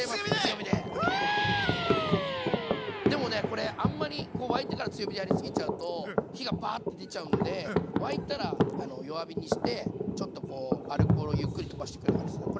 でもねこれあんまり沸いてから強火でやりすぎちゃうと火がバーッと出ちゃうんで沸いたら弱火にしてちょっとこうアルコールをゆっくり飛ばしていくような感じですね。